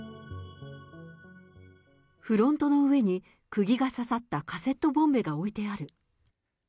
フロントの上に、くぎが刺さったカセットボンベが置いてある。